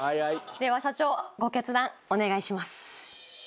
では社長ご決断お願いします。